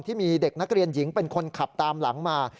ที่มีเด็กนักเรียนหญิงเป็นคนขับตามหลังมา